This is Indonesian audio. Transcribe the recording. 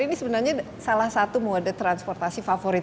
ini sebenarnya salah satu mode transportasi favorit